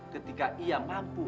ketika ia mampu menahan amarahnya